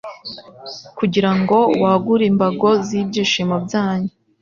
kugirango wagure imbago z'ibyishimo byanyu.